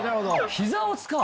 膝を使う！